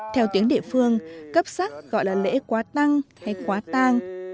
theo tiếng địa phương cấp sắc gọi là lễ quá tăng hay quá tang